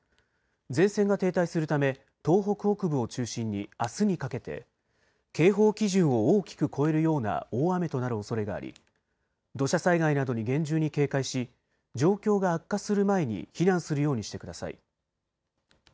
前線が停滞するため東北北部を中心にあすにかけて警報基準を大きく超えるような大雨となるおそれがあり土砂災害などに厳重に警戒し状況が悪化する前に避難するようにしてください。